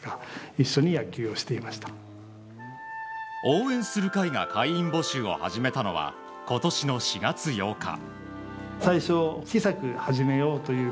応援する会が会員募集を始めたのは今年の４月８日。